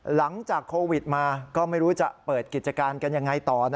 หลังจากโควิดมาก็ไม่รู้จะเปิดกิจการกันยังไงต่อ